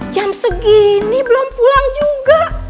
jam segini belum pulang juga